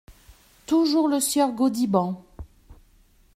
Toujours le sieur Gaudiband !